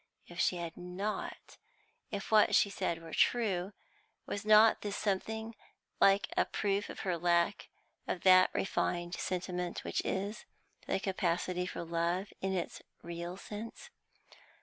If she had not, if what she said were true, was not this something like a proof of her lack of that refined sentiment which is, the capacity for love, in its real sense?